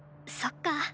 そっか。